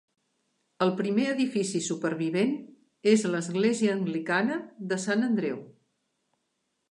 El primer edifici supervivent és l'església anglicana de Sant Andreu.